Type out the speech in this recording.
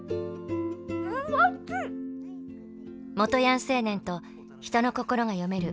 元ヤン青年と人の心が読める